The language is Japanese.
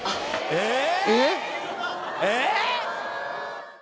えっ？